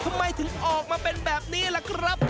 ทำไมถึงออกมาเป็นแบบนี้ล่ะครับ